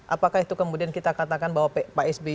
apakah itu kemudian kita katakan bahwa pak sby